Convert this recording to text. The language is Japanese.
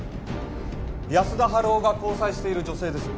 安田晴男が交際している女性です。